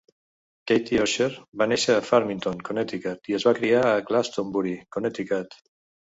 Katie Orscher va néixer a Farmington, Connecticut i es va criar a Glastonbury, Connecticut.